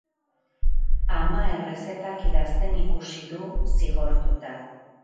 Ama errezetak idazten ikusi du, zigortuta.